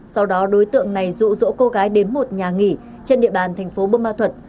sau đó đối tượng này rụ rỗ cô gái đến một nhà nghỉ trên địa bàn tp bumal thuật